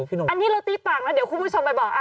อันนี้เราตี้ปากแล้วเดี๋ยวคุณผู้ชมไปบอก